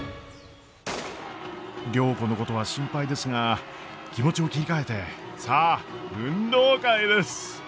良子のことは心配ですが気持ちを切り替えてさあ運動会です！